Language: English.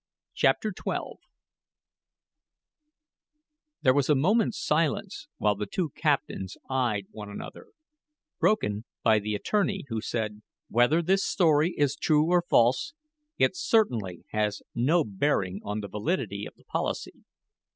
CHAPTER XII There was a moment's silence while the two captains eyed one another, broken by the attorney, who said: "Whether this story is true or false, it certainly has no bearing on the validity of the policy.